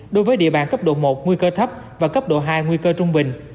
đối với địa bàn cấp độ một nguy cơ thấp và cấp độ hai nguy cơ trung bình